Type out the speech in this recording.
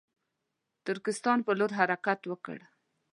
ترکستان پر لور حرکت وکړ.